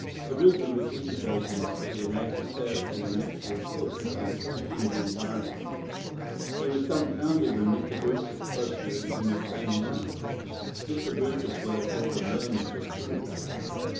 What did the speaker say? Urubu repeated those remarks to the native bearers in a mixture of Portuguese and Indian dialect. He was dumfounded when Mr. Brewster spoke to them in the same manner. Mr. Brewster's words brought a murmur of approval.